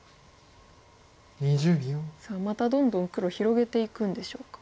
さあまたどんどん黒広げていくんでしょうか。